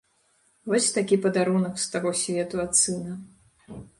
Вось такі падарунак з таго свету ад сына.